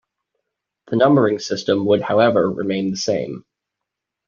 The numbering system would however remain the same.